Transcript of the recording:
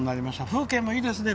風景もいいですね。